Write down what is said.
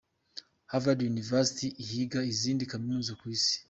Harvard University ihiga izindi kaminuza ku isi.